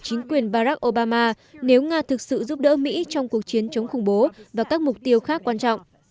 chính quyền barack obama nếu nga thực sự giúp đỡ mỹ trong cuộc chiến chống khủng bố và các mục tiêu khác quan trọng